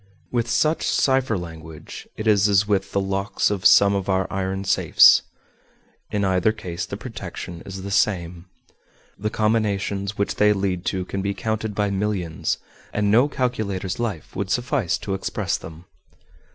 With such cipher language it is as with the locks of some of our iron safes in either case the protection is the same. The combinations which they lead to can be counted by millions, and no calculator's life would suffice to express them.